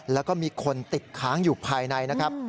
แล้วก็มีคนติดค้างอยู่ภายในนะครับ